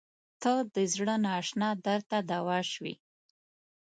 • ته د زړه نااشنا درد ته دوا شوې.